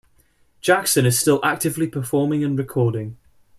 Jackson is still actively performing and recording.